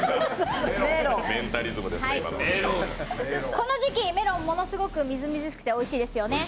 この時期、メロン、ものすごく、みずみずしくておいしいですよね。